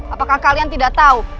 apakah kalian tidak tahu